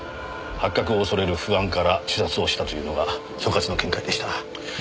発覚を恐れる不安から自殺をしたというのが所轄の見解でした。